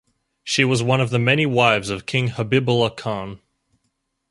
She was one of the many wives of king Habibullah Khan.